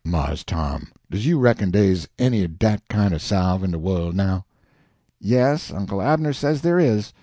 "Mars Tom, does you reckon dey's any o' dat kind o' salve in de worl' now?" "Yes, Uncle Abner says there is.